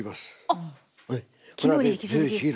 あっ昨日に引き続き。